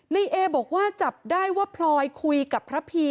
ในเอบอกว่าจับได้ว่าพลอยคุยกับพระพี